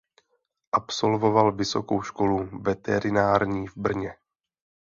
Absolvoval Vysokou školu veterinární v Brně.